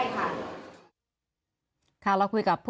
ทีนี้วันอาทิตย์หยุดแล้วก็วันจันทร์ก็หยุด